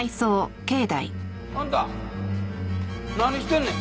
あんた何してんねん？